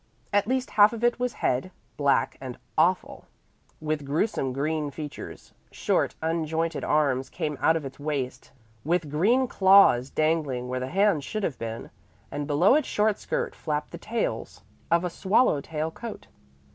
At least half of it was head, black and awful, with gruesome green features. Short, unjointed arms came out of its waist, with green claws dangling where the hands should have been; and below its short skirt flapped the tails of a swallow tail coat.